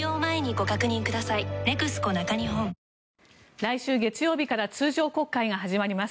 来週月曜日から通常国会が始まります。